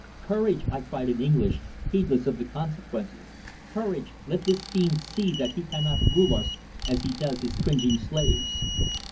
"Courage," I cried in English, heedless of the consequences. "Courage. Let this fiend see that he cannot rule us as he does his cringing slaves."